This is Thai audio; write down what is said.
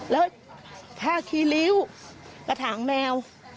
แล้วผ้าคีริ้วกระถางแมว